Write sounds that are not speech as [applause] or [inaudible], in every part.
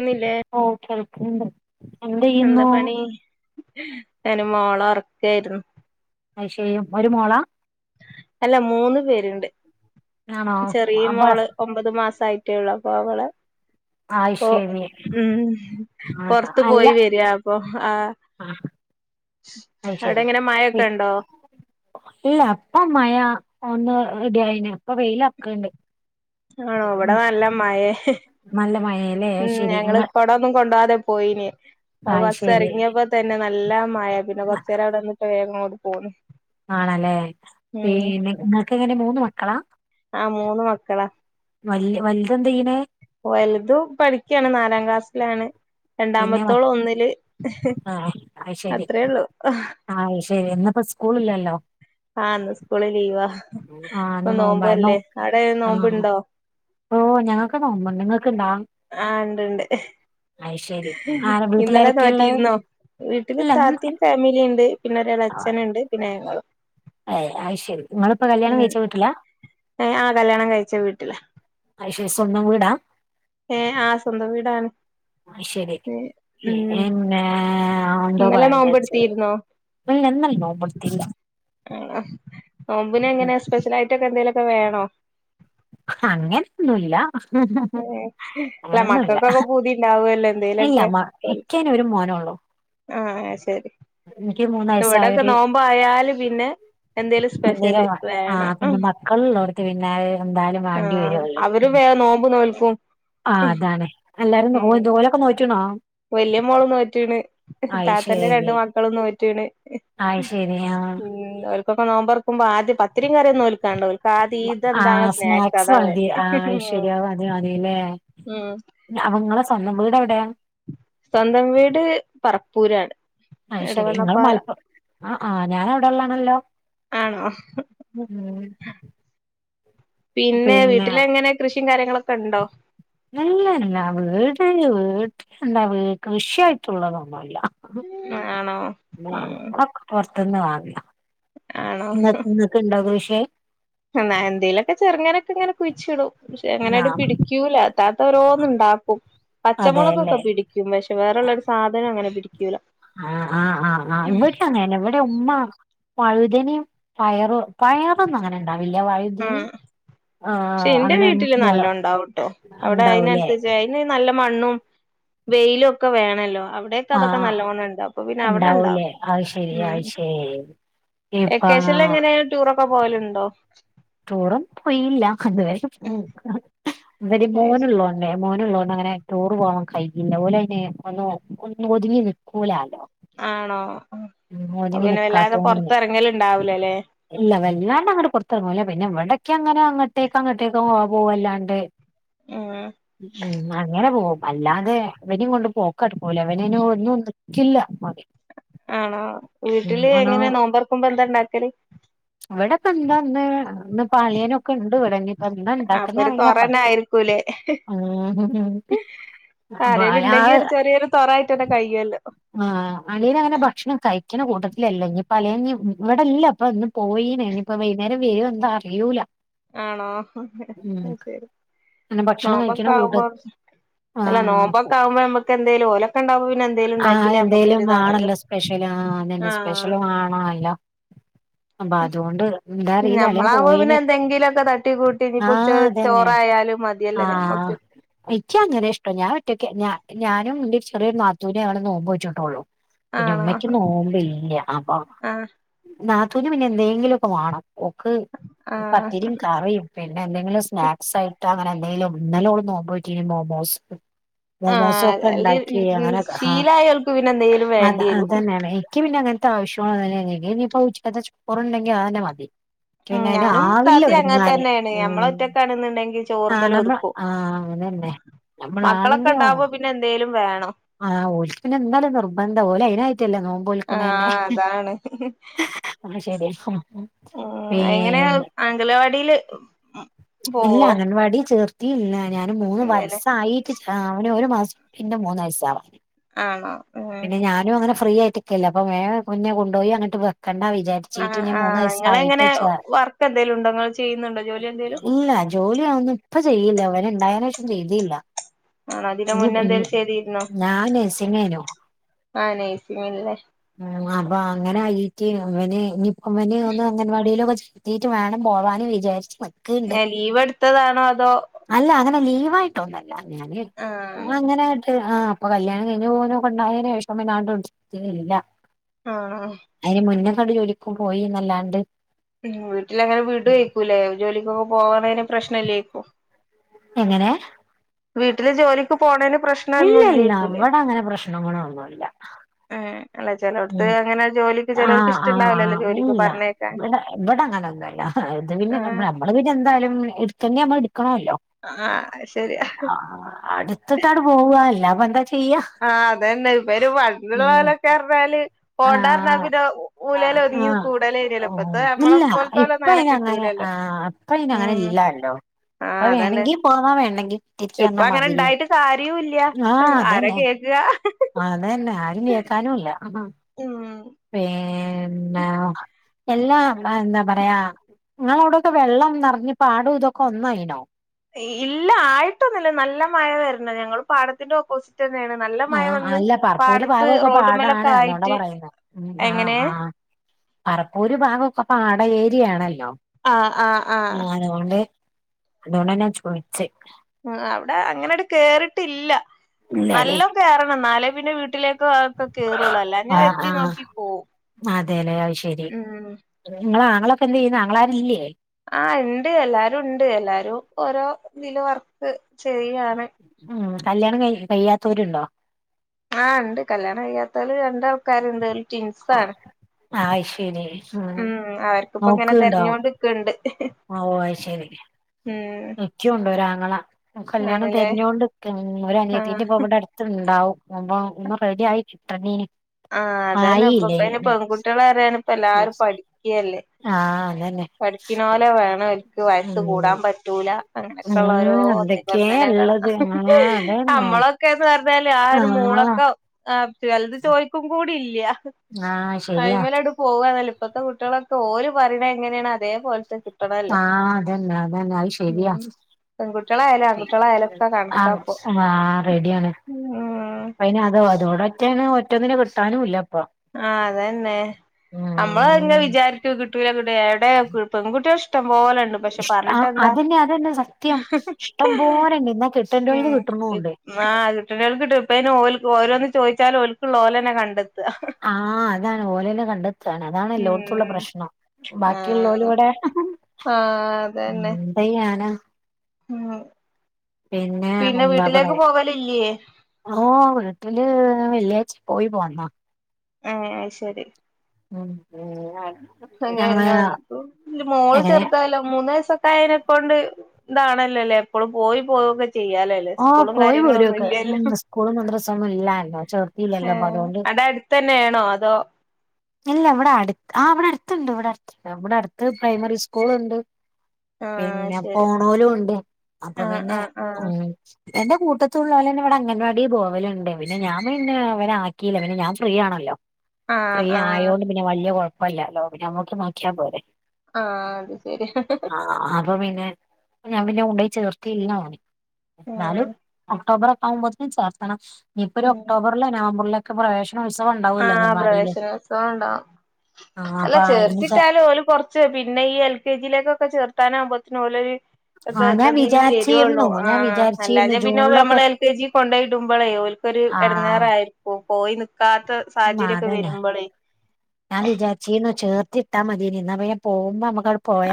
ന്നില്ലേ ഓ കേളക്കണ്ട് എന്ത ചെയ്യുന്നു അന മോളറക്ക ആായിരുന്നു ഐഷയും ഒരുമോളാ അല്ല മൂന്ന് പേരുണ്ട് ആണോ ചെറിയ അപ്പൊ മോള് ഒമ്പത് മാസയി [unintelligible] പ്പൊ വളെ ഉ അയ്ശരി ഉം ആ പൊർത് അല്ല പോയി വര്ആപ്പം ആഹ് ആ അവിടെ അയ്ശരി എങ്ങനെ മഴൊക്കെ ണ്ടോ ഇല്ല ഇപ്പം മഴ ഒന്ന് ഇടയിന് ഇപ്പൊ വെയിലർക്ണ്ട് ആണോ വിടെ നല്ല മയേ നല്ല മഴേല്ലേ ഉം അയ്ശരി ഞങ്ങള് ഇങ്ങ കൊടൊന്നും കൊണ്ടോവാാതെ പോയിഞ്ഞെ അ ബസ് അയ്ശരി ഇറങ്ങിയപ്പോ തന്നെ നല്ല മഴ പിന്നെ കൊർച്ചേരം അവിടെ ന്നിട്ട് വേഗം ങൊട് ആണല്ലേ പേ ഉം ന്നെ നിങ്ങൾക്ക് എങ്ങനെ മൂന്ന് മക്കളാ ആ മൂന്ന് മക്കളാ വല് വൽതെ ന്തെയ്യ്ണ് ഓൽ തും പഠിക്കാണ് നാലാം ക്ലാസ്സിലാണ് പിന്നെ മ രണ്ടാമത്തോള് ഒന്നില് ആ അത്രയേള്ളു ശരി ന്നപ്പോ സ്കൂള് ല്ലല്ലോ ആഹ് ന്ന് സ്കൂള് ലീവാ ആ പ്പൊ ഇന്ന് നോമ്പാ നോ നോമ്പല്ലേ അവ് ടെ ആ നോമ്പ് ണ്ടോ ഓ ഞങ്ങൾക്ക് നോമ്പ്ണ്ട് നിങ്ങക്ക്ണ്ടോ ആഹ് ണ്ട്ണ്ട് ആരാ ഇന്നലെ വീട്ടിലാരൊക്കെയുള്ളേ? നോറ്റിരുന്നോ വീട്ടില് ഇല്ല ഉം താത്തിം ഫാമിലി ണ്ട് പിന്നെ ഒരളെച്ഛന്ണ്ട് പിന്നെ ഞങ്ങളും അയ് അഹ് ശരി നിങ്ങളിപ്പോ കല്യാണം ഉം കഴിച്ച വീട്ടില ആഹ് കല്യാണം കഴിച്ച വീട്ടിലാ അഹ്ശേ സ്വന്തം വീടാ ഏ ആ സ്വന്തം വീടാണ് ശരി ഉം ഇന്നേ അഒന്തോ ഇന്നലെ നോമ്പ് പറയാൻവിജാരിച്ണ് എടുത്തിരുന്നോ മ നന്നല്ല [unintelligible] ആഹ് നോമ്പിനെങ്ങനെ സ്പെഷ്യലായിട്ടൊക്കെ എന്തെലൊക്കെ വേണോ അങ്ങനൊന്നുംല്ല അല്ല അങ്ങനെന്നുല്ല മക്കൾക്കൊക്കെ പൂതി ഉണ്ടാവുമല്ലോ ഇല്ല എന്തേലൊക്കെ മ ഓൽക്ക് ഇക്ക് ഐനൊരു മോനൊ ആണോ ആഹ് ശരി ന്ന് വിടൊക്കെ വയസ്സായൊരു നോമ്പായാല് പിന്നെ എന്തേലും സ്പെഷ്യല് എന്തേലും വേണം ആഹ് ആ പിന്നെ മക്കളുള്ളോടത്ത് പിന്നെ അത് എന്തായാലും വേണ്ടി ആഹ് അവര് വേ നോമ്പ് നോൽക്കും ആ അതാണ് എല്ലാരും നോ ഉം ൽത് ഓലൊക്കെ നോറ്റ്ണോ വല്യ മോൾ നോറ്റ്ണ് താത്തന്റെ രണ്ടു അയ്ശരി മക്കളും നോറ്റ്ണ് അയ്ശരി ആഹ് ഉം അവർക്കൊക്കെ നോമ്പറക്കുമ്പോ ആദ്യം പത്തിരി കറിം ന്നോൽക്കാണ്ട ആഹ് സ്നാക്സ് മതി വേണ്ടേ ആഹ് ശ്വര്യാവു മതി മതില്ലേ ഉം ഞ അവങ്ങളെ സ്വന്തം വീടെ വ് സ്വന്തം വീട് പർപ്പൂരാണ് അഹ് ശരി ഇങ്ങളും മൽപ്പ ആ ആ ഞാനവിടെള്ളാണല്ലോ ആണോ പിന്നെ വീട്ടിലെങ്ങനെ കൃഷിം കാര്യങ്ങളൊക്കെ ണ്ടോ? ല്ല ല്ല [unintelligible] വീട് വീട്ട എന്താ കൃഷിയായിട്ടുള്ളതൊന്നുല്ല അ ആണോ ഉം [unintelligible] പൊറത് ന്ന് വാങ്ങ ഇങ്ങ ഇങ്ങക്ക്ണ്ടൊ കൃഷി എന്നെ എന്തേലൊക്കെ ചെർങ്ങനൊക്കെ ങ്ങനെ കുഴിച്ചിടും ക്ഷെ ആ ങ്ങനട് പിടിക്കൂല ത്താത്ത രോന്നു ണ്ടാ ആക്കും പച്ചമുളകൊക്കെ അതെല്ലേ പിടിക്കും പക്ഷെ വേറള്ളരു സാധനം അങ്ങനെ പിടിക് ആ ആഹ് ആഹ് ആഹ് ഇവിടെയങ്ങൻനെ ഇവടെ ഉമ്മ വഴുതനേം പയറ് പയറൊന്നും ങ്ങനെ ണ്ടാവില്ല വഴുതനിം ക്ഷെ എന്റെ വീട്ടില് നല്ലോ ണ്ടാവ്ട്ടോ അവിടെ ഉണ്ടാവൂലേ അയിനൻസരിച്ച് അയിന് നല്ല മണ്ണും വെയിലും ഒക്കെ വേണല്ലോ അവിടെക്ക് ആ അതൊക്കെ നല്ലോണം ഉണ്ട് അപ്പം പിന്നെ അവിടെ ഉണ്ടാവൂലേ ഇണ്ടാകും അത് ശരി ഉം അത് ശരി ഇപ്പ വെക്കേഷനിൽ എങ്ങനെയ ടൂറൊക്കെ പോവല്ണ്ടോ ടൂറൊന്നും പോയില്ല അതുവരെ [unintelligible] ഇവര് മോനു ഉള്ളോണ്ടേ മോനെ ഉള്ളോ ഒന്നും അങ്ങനെ ടൂർ പോവാാൻ കയ്യൂല്ല. ഓലയ്നെ ഒന്ന് ഒന്ന് ഒതുങ്ങി നിൽക്കൂലാല്ലോ ആണോ അപ്പ പിന്നെ വല്ലാതെ നിക്കാത്തോണ്ടന്നെ പൊറത്ത് എറങ്ങല് ഇണ്ടാവൂല ലേ ഇല്ല വല്ലാണ്ട് അങ്ങട് പൊർത്തറങ്ങൂല്ല പിന്നെ ഇവിടയൊക്കെ അങ്ങനെ അങ്ങട്ടേക്ക് അങ്ങട്ടേക്ക് പോവാ അല്ലാണ്ട് ഉം ഉം അങ്ങനെ പോവും അല്ലാതെ ഇവനിം കൊണ്ട് പോക്കടക്കൂല ഇവൻ അയ്ന് ഒന്നും നിക്കില്ല ഓന് ആണോ ഉം വീട്ടില് എങ്ങനെ നോമ്പർക്കുമ്പം എന്താ ഇണ്ടാക്കല് ഇവിടെക്കെ എന്താ ന്ന് ഇന്ന് ഇപ്പ അളിയനൊക്കെ ഇണ്ട് ഇവടെ. ഇഞ്ഞിപ്പെന്താ അപ്പൊ ഇണ്ടാക്ക്ന്ന ഒരു അറിയില്ല. തൊറന്നെ പത്തി ആയിരിക്കൂലേ ഉം ആരേലും ബാല ഉണ്ടെങ്കി ഹ് ഒരു ചെറിയൊരു തൊറായിട്ടന്നെ കഴിയുവല്ലോ ആഹ് അളിയൻ അങ്ങനെ ഭക്ഷണം കഴിക്കണ കൂട്ടത്തിലല്ല. ഇഞ് ഇപ്പം അളിയന് ഇവിടെല്ല ഇപ്പം ഇന്ന് പോയിന് ഇനിയിപ്പ വൈന്നേരം വരൊ എന്താ അറിയൂല ആണോ ഹ് ഉം അത്ശരി അങ്ങനെ ഭക്ഷണം കഴിക്കണ നോമ്പൊക്കെ കൂട്ട ആവുമ്പോ അല്ല ആഹ് നോമ്പൊക്കെ ആവുമ്പം ഞമ്മക്ക് എന്തേലും ഓലൊക്കെ ഇണ്ടാവുമ്പൊ പി ന്നെ എന്തേലും ആഹ് ഉണ്ടാക്കില്ലേ എന്തേലും നമ്മക്കൊരു ഇതാണല്ലോ വേണല്ലോ സ്പെഷ്യൽ ആഹ് അതന്നെ ആഹ് സ്പെഷ്യൽ വേണല്ലോ [unintelligible] അപ്പൊ അതുകൊണ്ട് എന്താ അറിയില്ല അളിയൻ ഞമ്മളാവുമ്പം പിന്നെ പോയിന് എന്തെങ്കിലു ഒക്കെ തട്ടിക്കൂട്ടി ഇഞിപ്പ ആഹ് ഉച്ചവരെ അതന്നെ ചോറായാലും മതിയല്ലോ ആഹ് ഞമ്മക്ക് ഇയ്ക്ക് അങ്ങനെ ഇഷ്ടം ഞാൻ ഒറ്റക്ക് ഞാ ഞാനും ന്റെ ചെറിയൊരു നാത്തൂനെ [unintelligible] നോമ്പോറ്റിട്ടൊള്ളൂ. പിന്നെ ആണോ ഉമ്മയ്ക്ക് നോമ്പില്ല അപ്പം. ആഹ് നാ ത്തൂൻ പിന്നെ എന്തേങ്കിലൊക്കെ വാണം. ഓക്ക് ആഹ് പത്തിരിം കറി പിന്നെ എന്തെങ്കിലും സ്നാക്സ് ആയി രെന്തേലും ഇന്നലെ ഓൾ നോമ്പോറ്റിന്ന് മൊമോസ്. മോമോസോ ആഹ് ഒക്കെ അല്ലെ ഉണ്ടാക്കി അങ്ങനെ ക്കെ ഹാ ശീലായോൽക്ക് പിന്നെ എന്തെങ്കിലും അത വേണ്ടി വരും അതന്നേണെ ഇയ്ക്ക് പിന്നെ അങ്ങ ൻത്ത ആവശ്യങ്ങൾ ഒന്നുല്ല്യ ഇനിക്കിനിപ്പൊ ഉച്ചക്കത്തെ ചോറുണ്ടെങ്കിൽ അതന്നെ മതി എനിക്ക് ഉം പിന്നെ അതിന് ഞാനും ആവില്ല താത്തീ ഒരുങ്ങാന് അങ്ങൻത്തന്നെണ് ഞമ്മള് ഉം ഒറ്റക്കാണ് ഇന്നുണ്ടെങ്കിൽ ആ ചോർമ്മല് നമ്മൾ ഒതുക്കും. ആ അതന്നെ മക്കളൊക്കെ നമ്മളാണെങ്കി ഉണ്ടാവുമ്പോ പിന്നെ എന്തേലും വേണം. ആ ഓൽക്ക് എന്തായാലും നിർബന്ധാ. ഓല് അയിനായി റ്റല്ലെ നോമ്പ് നോൽക്കണതെന്നെ ആഹ് അതാണ് ആ ശരി ഉം പീ എങ്ങനെ നെ അംഗലവാടിയില് ഇല്ല പോവോ അംഗൻവാടി ചേർ ത്തീല്ല. ഞാന് മൂന്ന് എന്തേലും വയസായിട്ട് ചേ അവന് ഒരു മാസം [unintelligible] കഴിഞ്ഞ മൂന്ന് വയസ്സാവ ആണോ ഉം ഫ്രീ ആയിട്ട്ക്കല്ലെ അപ്പം വേം മുന്നെ കൊണ്ടോയി അങ്ങട്ട് വ കണ്ടാ ആ വിചാരിച്ചീട്ട് ഞാൻ ആ മൂന്ന് നിങ്ങളെങ്ങനെ വയസായിട്ട് ചേ. വർക്ക് എന്തേലും ഉണ്ടോ നിങ്ങൾ ചെയ്യുന്നുണ്ടോ ജോലി എന്തേലും ഇല്ല ജോലി യവൊന്നും ഇപ്പൊ ചെയ്യില്ല ഇവന് ഉണ്ടായേന് ശേഷം ചെയ്തീല്ല. ആണൊ ഇതിന് മുന്നന്തേലും ചെയ്തിരുന്നോ. ഞാൻ നഴ്സിംങേനു ആ നഴ്സിംഗല്ലേ അപ്പൊ അങ്ങനായി റ്റ് ഇവന് ഇഞിപ്പം വന് ഒന്ന് അംഗൻവാടിയിലൊക്കെ ചേർത്തിട്ട് വേണം പോവാന് വിചാരിച്ചു മ ഏ ലീവ് എടുത്തതാണോ അതോ ലീവായിട്ട് ഒന്നല്ല ഞാന് ആ [unintelligible] ഇങ്ങനെ ആഹ് പ്പൊ കല്യാണം കയ്ഞ് ഓനൊക്കെണ്ടായേന് ശേഷം പിന്നെ [unintelligible] ആഹ് ട് ജോലിക്കും പോയിന്നല്ലാണ്ട് ഉം വീട്ടിലങ്ങനെ വിടു ഏക്കുലേ ജോലിക്കൊക്കെ പോകണേന് പ്രശ്നല്ലേക്കും എങ്ങനെ വീട്ടില് ജോലിക്ക് പോണേന് പ്രശ്നൊന്നും ഇല്ല ഇല്ല ഇല്ലേക്കൂലേ ഇവിട അങ്ങനെ പ്രശ്നങ്ങളൊന്നുല്ല ആ അല്ല ഉ ചെലോടത്ത് അങ്ങനെ ജോലിക്ക് ആഹ ചെലോർക്ക് ആഹ് ഇഷ്ടണ്ടാവില്ലല്ലോ ആഹ് ജോലിക്ക് ഇല്ല പറഞ്ഞേക്കാൻ വിട വിടങ്ങാനൊന്നുമല്ല അത് പിന്നെ ആ നമ്മ നമ്മള് പിന്നെന്തായാലും എടുത്തു എന്നെ നമ്മള് ആണല്ലോ ആ ശരിയാ ആ അടുത്തിട്ടടെ പോവല്ല അപ്പൊ എന്താ ചെയ്യാ ആഹ അതന്നെ ഇപ്പൊ ഒരു വഴുള്ള ഉം പോലൊക്കെ അറിഞ്ഞാല് ആഹ് പോണ്ടന്നന്റെ മൂല ഒന്നങ്ങത് ആഹ് കൂടല ഇല്ല ഇപ്പത്തെ നമ്മള പോലെത്തലെ അങ്ങനെ കിട്ടൂല ആഹ അപ്പ അങ്ങനെ ഇല്ലല്ലോ അപ്പ ആഹ് അതന്നെ വേണമെങ്കി പോന്നാ വേണെങ്കിൽ തിരിച്ചു തന്ന ഇപ്പൊ അങ്ങനെ മാതിരിയ ഇണ്ടായിട്ട് കാര്യൂല്ല ആഹ ആരാ അതല്ലെ കേക്ക്ക അതന്നെ ആരും കേക്കാനുംല്ല ഉം എല്ലാ അ എന്ത പറയാ നിങ്ങളവിടയൊക്കെ വെള്ളം നിറഞ്ഞ് പാടും ഇതൊക്കെ ഒന്നായിനോ ഇല്ല ആയിട്ടൊന്നുമില്ല നല്ല മഴ വരണ ഞങ്ങള് പാടത്തിന്റെ ഓപ്പോസിറ് തന്നെയാണ് നല്ല മഴ ആഹ് വന്ന് അല്ല പറപ്പൂര് പാടത്ത് ഭാഗമൊക്കെ റോഡ്മേലൊക്കെ പാടാണ് അതോണ്ടാ ആയിട്ട് പറയുന്നെ ഉം ആഹ് എങ്ങനെയ- ആഹ് പറപ്പൂര് ഭാഗംക്കെ പാട ഏരിയാണല്ലോ ആഹ ആഹ ആഹ ആഹ് അതുകൊണ്ട് തന്നാ ചോദിച്ചേ ഉ അവിടെ അങ്ങനെട്ട കേറിട്ടില്ല ഉ നല്ല കയറണം എന്നാലേ പിന്നെ വീട്ടിലേക്ക്തക്കെ കേയറുള്ളല്ല ഞാൻ ആഹ് എത്തി ആഹ് നോക്കി പോകവും ഉം നിങ്ങളാങ്ങളൊക്കെ എന്ത് ചെയ്യുന്നാങ്ങളാര ഇല്ലേ ആഹ് ഉണ്ട് എല്ലാരും ഉണ്ട് എല്ലാരും ഓരോ ഇതില് വർക്ക് ശരിയാണ് ഉം കല്യാണം കഴിയാത്തവരുണ്ടോ ആഹ ഉണ്ട് കല്യാണം കഴിയാത്തല് രണ്ട ആൾക്കാരുണ്ട് ട്വിൻസ്സാണ് അത് ശരി ഉം അവർക്കിപ്പോ ഇങ്ങനെ തതിരഞ്ഞുകൊണ്ടിക്കണ്ട് ഓ ശരി ഉം നിക്കുംണ്ടോ ഒരാങ്ങള കല്യാണം ആണ്ല്ലേ തെരഞ്ഞോണ്ട് നിക്കാണ് ഒരു ആഹ് അനിയത്തിന്റെ ഇപ്പൊ ഇവിടെ അടുത്തുണ്ടാവും മുമ്പ ഇന്ന് റെഡി ആയിട്ടി ഇട്ടീനി ആഹ് അതന്നെ ഇപ്പപ്പ ഇനി പെൺകുട്ടികള അറിയാണ്പ്പ എല്ലാരും പഠിക്കുകല്ലേ ആഹ് അതന്നെ പഠിക്കുന്ന പോലെ വേണം എനിക്ക് വയസ് ഉം കൂടാൻ പറ്റൂല ഉം അങ്ങനെയൊക്കെള്ളരോ- എന്തൊക്കെയാ ഇള്ളത് ആഹ് [unintelligible] അതന്നെ നമ്മളൊക്കെ - അതേല്ലേ ആ ഒരു ആഹ് മൂളൊക്കെ ആ ചലത് ചോയ്ക്കും കൂടി ഇല്ല ആഹ് ശരിയാ കൈ്മല അവിട് പോവന്നല്ല ഇപ്പഴത്തെ കുട്ടികളൊക്കെ ഒരുഓര് പരിണ എങ്ങനെയാണ് അതേപോലത്തെ കിട്ടണല്ലോ ആഹ അതന്നെ അതന്നെ അത്‌ ശരിയാ ഉം പെൺകുട്ടികളായാലും ആൺകുട്ടികളായാലും ഒക്കെ ആഹ കണക്കാപ്പൊ ആ റെഡിയിയാണ് ഉം അന് അതോ അതോട ഒറ്റ ഒറ്റന്നിനന് കിട്ടാനുംല്ല ആഹ അതന്നെ നമ്മള് ഇങ്ങെ ഉം വിചാരിക്കു കിട്ടൂല കിട്ടൂല എവിടെ പെണ്ണുകുട്ടികൾ ഇഷ്‌ - പോലണ്ട് പക്ഷെ ഇഷ് പറഞ്ഞിട്ടെന്താ അതന്നെ അതന്നെ സത്യം ഇഷ്ടം പോലെണ്ട് എന്നാ ഉ കിട്ടേണ്ടോൽക്ക് കിട്ടുണുണ്ട് ആ് കുട്ടണ്ടികൾക്ക്ട്ടും ഇപ്പന് ഓ ഓരോന്ന് ചോദിച്ചാലും ഓക്കുള്ള ഓലന്നെ കണ്ടെത്തുക ആഹ അതാണ് ഓലിനെ കണ്ടെത്തയാണ് അതാണ് എല്ലോടത്തുള്ള ഉം പ്രശ്നം ബാക്കിയുള്ള ഓല ഇവിടെ- ആഹ അത തന്നെ എന്തെയ്യാനാ ആഹ പിന്നെ എന്താ പറയാ ഓ വീട്ടില് വെള്ളിയാഴ്ച പോയി പോന്നോ ആഹ ശരി ഉം ഉ അങ്ങന മോള് എങ്ങനെ ചെറുതാലോ മൂന്ന് വയസൊക്കെ അയനെക്കൊണ്ട് ഇതാണല്ലല്ലേ എപ്പോഴും പോയി പോയൊക്കെ ചെയ്യാലല്ലേ ഓഹ് സ്കൂളും പോയി കാര്യങ്ങള ഒന്നും പോരൊക്കെ ഇല്ലല്ല ഉം സ്കൂളും മദ്രസൊന്നും ഇല്ലാല്ലോ ചേർത്തില്ലല്ലോ അപ്പൊ അതുകൊണ്ട് എടെ അടുത്ത് തന്നൊണോ അതോ ഇല്ല ഇവിടെ അടുത്ത് ആ അവിടെ അടുത്തുണ്ട് ഇവിടെടുണ്ട് ഇവിടെ അടുത്ത് പ്രൈമറി സ്കൂൾുണ്ട് ആഹ് പിന്നെ ശരി പോണലും ഉണ്ട് അപ്പൊ ആഹ് പിന്നെ ആഹ് ഉ ആഹ് എന്റെ കൂട്ടത്തുള്ള പോലന്നെ ഇവിടെ അംഗൻവാടി പോവലുണ്ട് പിന്നെ ഞാൻ പിന്നെ അവ കീ പിന്നെഞൻ ഫ്രീ ആണല്ലോ ആഹ് ഫ്രീ ആഹ് ആയതോണ്ട് പിന്നെ വലിയ കുഴപ്പമല്ലല്ലോ പിന്നെ നമുക്ക് നോക്കിയ പോരെെ ആഹ് അത് ശരി ആ അപ്പൊ പിന്നെ ഞാൻ പിന്നെ ഉണ്ടയി ചേർത്തില്ല മ ഉം എന്നാലും ഒക്ടോബർെ ആകുമ്പോന് ചേർത്തണം ഇനിയിപ്പൊ ഒരു ഉം ഒക്ടോബറിലെ നവംബറിലൊക്കെ പ്രവേശന ഉത്സവം ഉണ്ടാവൂല്ലോ അംഗൻവാടിയില് തോണ്ടാ ആഹ് അല്ല അപ്പൊ അയിന് ചേ ചേർത്തിട്ടാലും ഓൽ കുറച്ച് പിന്നെ ഈ എൽ കെ ജിയിലേക്കൊക്കെ ചേർത്ത ബത്തനോല ആഹ് ഞാൻ ഒക്കെധതിൽ വരുള്ളൂ വിചാരിച്ചിരുന്നു ആ ഞാൻ വിചാരിച്ചിരുന്നു അല്ലാതെ പിന്നെ ജൂണിലൊക്കെ നമ്മളെ എൽ കെ ജി കൊണ്ടയി ഇടുമ്പോളേ ഇടങ്ങാറായിരിക്കും പോയി നി ക്കാത്ത ഉ അതനെ നാ വിചാരിച്ചിന ചേർത്തിട്ടാ മതിനിന്ന വേം പോകുമ്പമ്മക്ക്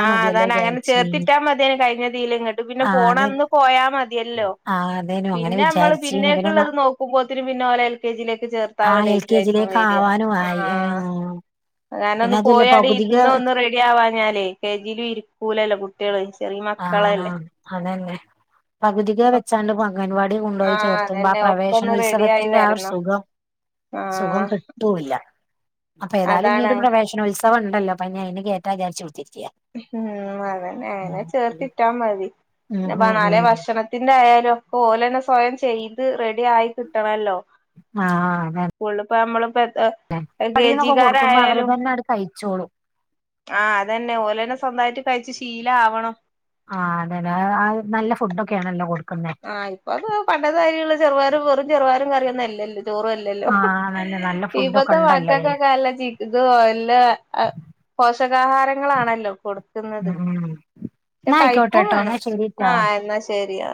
ആഹ് അതാന അങ്ങനെ ചേർത്തിട്ടാ മതിയന് കഴിഞ്ഞ തീല ഇങ്ങോട്ട് പിന്നെ ആഹ് പോണം അതെ അന്ന് പോയാ മതിയല്ലോ ആഹ് അതേനു അങ്ങനെ പിന്നെ നമ്മള് വിചാരിച്ചീനി പിന്നെ ന പിന്നേക്കുള്ളള്ളത് നോക്കുമ്പോത്തനും പിന്നെ ഓലെ എൽ കെ ജിയിലേക്ക് ചേർത്തള്ള ആഹ് എൽ ഡേറ്റു കെ ആയിരിക്കും ജിയിലേക്ക് വരിയാ ആവാനും ആയി ആഹ ഏഹ് കാരണം പിന്നെ ഒന്ന് അതുല്ല പോയാ അടെ പകുതിക്ക് ഇര്ന്ന് ഒന്ന് റെഡി ആവാ ഞാലേ കെ ജിയിലും ഇരിക്കൂലല്ലോ കുട്ടികള് ചെറിയ മക്കളല്ലേ പകുതികൾ വെച്ചാണ്ട് അംഗൻവാടി കൊണ്ടുപോയി ആഹ് ചേർത്തുമ്പൊ ആ അതന്നെ പ്രവേശനോത്സവത്തിന്റെ ആ ഒരു സുഖം ഉ സുഖം കിട്ടല്ല അപ്പൊ ഏയാലും ഞ് അതാണ് ഒരു പ്രവേശോത്സവ ഉണ്ടല്ലോ അപ്പോനി അയ്ന് കേറ്റ ചാരിച് കുത്ര ഉം അതന്നെ അങ്ങനെ ഉം ചേർത്തിട്ടാ മതി ഉം പിന്നേ ഉം ഭക്ഷണത്തിന്റെ ആയാല ഓലെ തന്നെ സ്വയം ചെയ്ത് റെഡി ആയി കിട്ടണല്ലോ ആഹ അത ഇപ്പ നമ്മള കൊടുക്കുമ്പോ അവര് ഗേജിക്കാരായാലും തന്നെ അങ്ങട് കഴിച്ചോളും ആ അതന്നെ ഓ സ്വന്തമായിട്ട് കഴിച്ചു ശീലം ആവണം ആ അതെല്ലെ നല്ല ഫുഡ്ക്കെയണല്ല കൊടുക്ക ആഹ് ഇപ്പ അത് പണ്ടത കാര്യള്ള ചെറുപയറും വെറും ചെറുപയറും കറിയന്നല്ലല്ലോ ചോറുംല്ലല്ലോ ആഹ് നല്ല നല്ല ഫുഡൊക്കെ ഇപ്പത്തെ മ ഉണ്ടല്ലോ ഏ. ക്കൊക്കൊക്കെല്ല ചത എല്ല പോഷകാഹാരങ്ങളാണല്ലോ കൊടുക്കുന്നത് പക്ഷെ കഴിക്കും നയിക്കോട്ടെട്ടോങ്ങാ വേണം ശെരിട്ടാ ആഹ് എന്നാ ശരി ഓ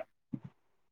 [unintelligible]